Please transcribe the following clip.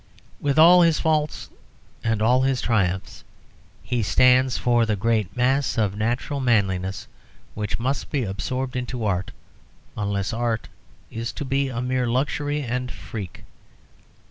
With all his faults, and all his triumphs, he stands for the great mass of natural manliness which must be absorbed into art unless art is to be a mere luxury and freak.